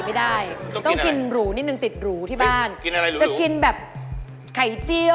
ไม่รู้นะรู้แต่แพ้